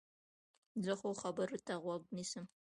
زه ښو خبرو ته غوږ نیسم.